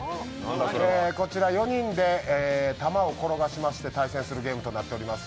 こちら４人で玉を転がしまして対戦するゲームとなっております。